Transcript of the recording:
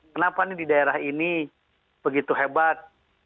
kenapa di daerah ini begitu hebat